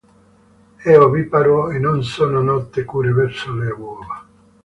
È oviparo e non sono note cure verso le uova.